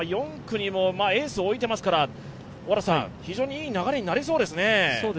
４区にもエースを置いていますから非常にいい流れになりそうですね。